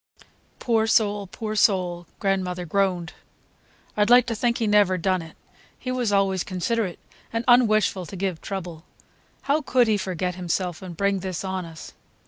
"Poor soul, poor soul!" grandmother groaned. "I'd like to think he never done it. He was always considerate and un wishful to give trouble. How could he forget himself and bring this on us!"